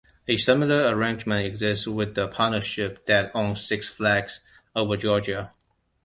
A similar arrangement exists with the partnership that owns Six Flags Over Georgia.